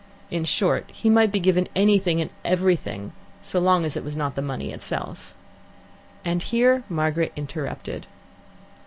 In short, he might be given anything and everything so long as it was not the money itself. And here Margaret interrupted.